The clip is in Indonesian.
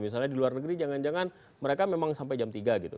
misalnya di luar negeri jangan jangan mereka memang sampai jam tiga gitu